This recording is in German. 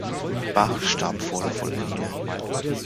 Bach starb vor der Vollendung.